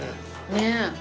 ねえ。